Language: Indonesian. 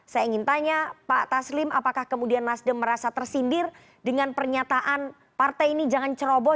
saya ingin tanya pak taslim apakah kemudian nasdem merasa tersindir dengan pernyataan partai ini jangan ceroboh